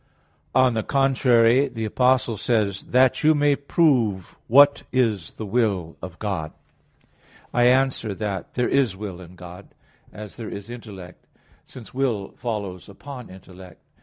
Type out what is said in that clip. On the contrary, The Apostle says (Rom. 12:2): "That you may prove what is the will of God." I answer that, There is will in God, as there is intellect: since will follows upon intellect.